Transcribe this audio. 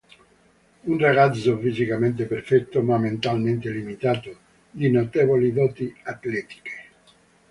Un ragazzo fisicamente perfetto ma mentalmente limitato, di notevoli doti atletiche.